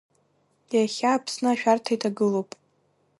Иахьа Аԥсны ашәарҭа иҭагылоуп.